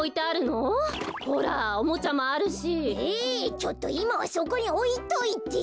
ちょっといまはそこにおいといて。